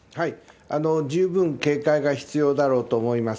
十分警戒が必要だろうと思います。